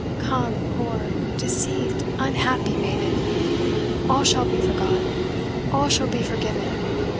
Come, poor, deceived, unhappy maiden! all shall be forgot all shall be forgiven.